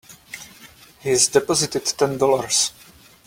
He's deposited Ten Dollars.